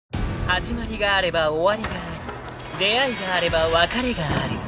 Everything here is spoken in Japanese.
［始まりがあれば終わりがあり出会いがあれば別れがある］